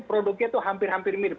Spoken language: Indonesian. produknya itu hampir hampir mirip